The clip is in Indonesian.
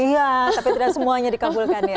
iya tapi tidak semuanya dikabulkan ya